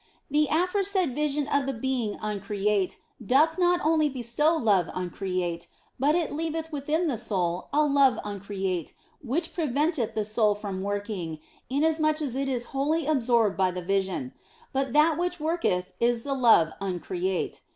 The aforesaid vision of the Being uncreate doth not only bestow love uncreate, but it leaveth within the soul a love uncreate which preventeth the soul from working, inasmuch as it is wholly absorbed by the vision ; but that which worketh is the love uncreate.